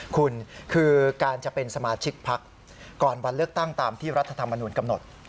คุณคือการจะเป็นสมาชิกพักก่อนวันเลือกตั้งตามที่รัฐธรรมนุนกำหนด